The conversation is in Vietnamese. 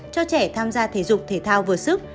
cho trẻ tham gia thể dục thể thao vừa sức